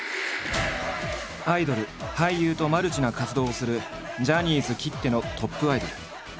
アイドル俳優とマルチな活動をするジャニーズきってのトップアイドル。